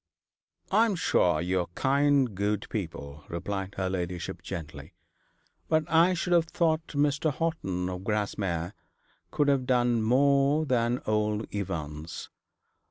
'I am sure you are kind good people,' replied her ladyship gently; 'but I should have thought Mr. Horton, of Grasmere, could have done more than old Evans.